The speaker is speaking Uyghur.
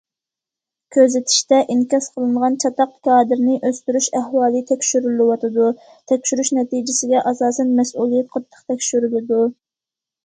كۆزىتىشتە ئىنكاس قىلىنغان‹‹ چاتاق كادىرنى ئۆستۈرۈش›› ئەھۋالى تەكشۈرۈلۈۋاتىدۇ، تەكشۈرۈش نەتىجىسىگە ئاساسەن مەسئۇلىيەت قاتتىق تەكشۈرۈلىدۇ.